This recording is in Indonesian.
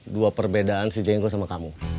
dua perbedaan si jenggo sama kamu